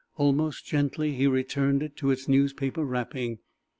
Almost gently he returned it to its newspaper wrapping.